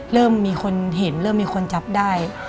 เริ่มมีคนเห็นเริ่มมีคนจับได้